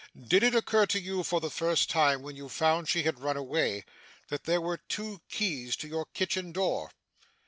'Did it occur to you for the first time, when you found she had run away, that there were two keys to your kitchen door?